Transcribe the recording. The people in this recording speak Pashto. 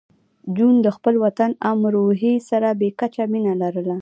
جون د خپل وطن امروهې سره بې کچه مینه لرله